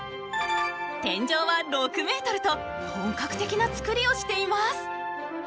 天井は６メートルと本格的な造りをしています。